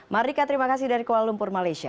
mardika terima kasih dari kuala lumpur malaysia